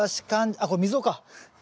あっこれ溝か。